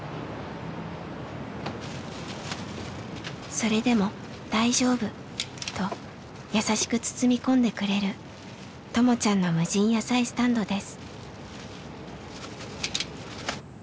「それでも大丈夫」と優しく包み込んでくれるともちゃんの無人野菜スタンドです。